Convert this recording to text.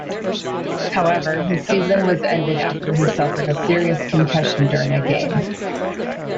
However his season was ended after he suffered a serious concussion during a game.